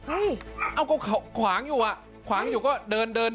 เอ้าก็ขวางอยู่อ่ะขวางอยู่ก็เดินเดิน